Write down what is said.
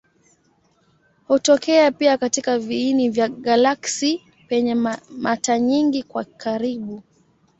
Hutokea pia katika viini vya galaksi penye mata nyingi kwa karibu.